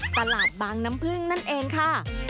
ตลาดบางน้ำพึ่งนั่นเองค่ะ